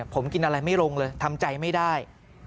ผมกินอะไรไม่ลงเลยทำใจไม่ได้